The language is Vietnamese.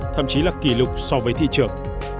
thậm chí là kỷ lục so với thị trường